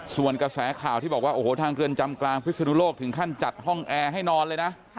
ส่วนกระแสข่าวที่บอกว่าโอ้โหทางเรือนจำกลางพิศนุโลกถึงขั้นจัดห้องแอร์ให้นอนเลยนะ